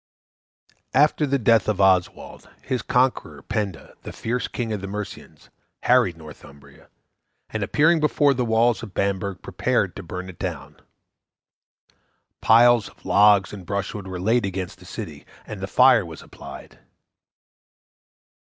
After the death of Oswald, his conqueror Penda, the fierce King of the Mercians, harried Northumbria, and appearing before the walls of Bamburgh prepared to burn it down. Piles of logs and brushwood were laid against the city and the fire was applied.